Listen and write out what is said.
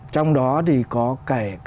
trong đó thì có cả các